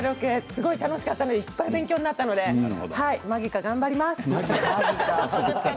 すごい楽しかったのでいっぱい勉強になったのでマギか、頑張ります。